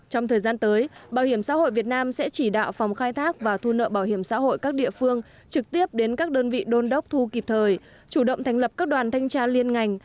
trong thời gian tới bảo hiểm xã hội việt nam sẽ chỉ đạo phòng khai thác và thu nợ bảo hiểm xã hội các địa phương trực tiếp đến các đơn vị đôn đốc thu kịp thời chủ động thành lập các đoàn thanh tra liên ngành